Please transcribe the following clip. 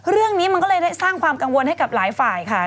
เรื่องนี้มันก็เลยได้สร้างความกังวลให้กับหลายฝ่ายค่ะ